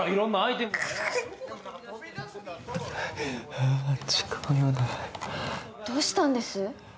ああ違うよなどうしたんです？